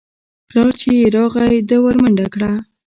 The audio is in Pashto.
پلار چې يې راغى ده ورمنډه کړه.